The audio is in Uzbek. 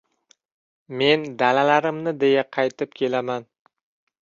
Men dalalarimni deya, qaytib kelaman.